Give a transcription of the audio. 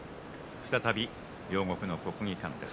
再び、両国の国技館です。